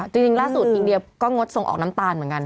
จริงล่าสุดอินเดียก็งดส่งออกน้ำตาลเหมือนกัน